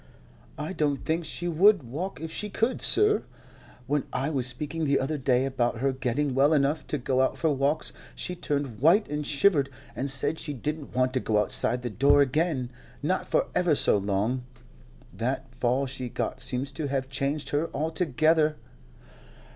"I don't think she would walk if she could, sir. When I was speaking the other day about her getting well enough to go out for walks, she turned white and shivered, and said she didn't want to go outside the door again, not for ever so long. That fall she got seems to have changed her altogether."